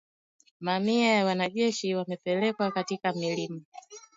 Mamia ya wanajeshi wamepelekwa katika milima